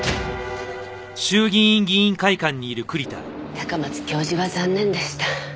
高松教授は残念でした。